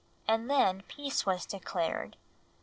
and then peace was declared.